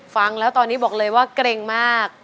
ฟังแล้วตอนนี้บอกเลยว่าเกร็งมาก